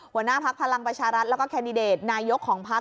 หัวหน้าพักพลังประชารัฐแล้วก็แคนดิเดตนายกของพัก